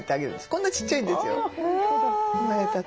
こんなちっちゃいんですよ。生まれたて。